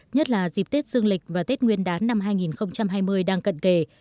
nhất là dịp tết dương lịch và tết nguyên đán năm hai nghìn hai mươi đang cận kề